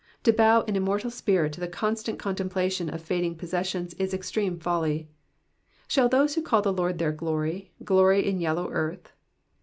To bow an immortal spirit to the constant con templation of fading possessions is extreme folly. Shall those who call the Lord their glory, glory in yellow earth